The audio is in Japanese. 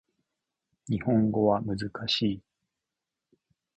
日本語は難しい